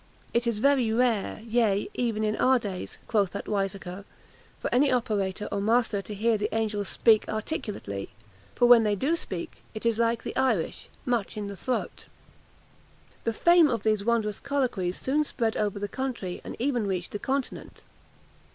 It is very rare, yea even in our days," quoth that wiseacre, "for any operator or master to hear the angels speak articulately: when they do speak, it is like, the Irish, much in the throat!" The fame of these wondrous colloquies soon spread over the country, and even reached the Continent.